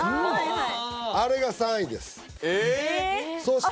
はい